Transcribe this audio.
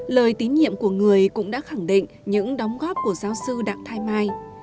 lời tín nhiệm của người cũng đã khẳng định những đóng góp của giáo sư đặng thái mai